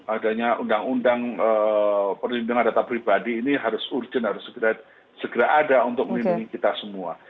adanya undang undang perlindungan data pribadi ini harus urgent harus segera ada untuk melindungi kita semua